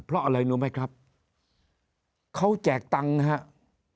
เพราะอะไรรู้ไหมครับเขาแจกตังค์นะครับ